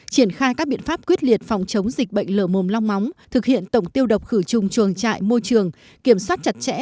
triển khai các biện pháp quyết liệt phòng chống dịch bệnh lở mồm long móng thực hiện tổng tiêu độc khử trùng chuồng trại môi trường kiểm soát chặt chẽ